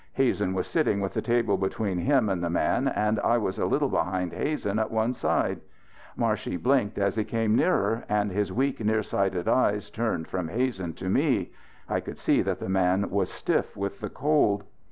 Hazen was sitting with the table between him and the man and I was a little behind Hazen at one side. Marshey blinked as he came nearer, and his weak nearsighted eyes turned from Hazen to me. I could see that the man was stiff with the cold.